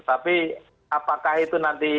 apakah itu nanti